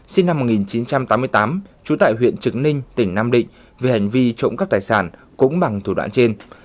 sinh năm một nghìn chín trăm tám mươi tám trú tại huyện trực ninh tỉnh nam định về hành vi trộm cắp tài sản cũng bằng thủ đoạn trên